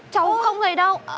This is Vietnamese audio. cháu không thấy đâu